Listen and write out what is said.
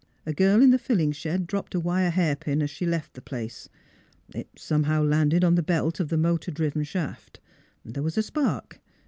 " A girl in the filling shed dropped a wire hairpin as she left the place. It somehow landed on the belt of the motor driven shaft. There was a spark.